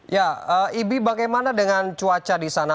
ya ibi bagaimana dengan cuaca di sana